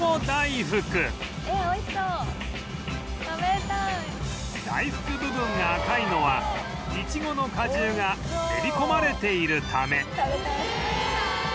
大福部分が赤いのはいちごの果汁が練り込まれているため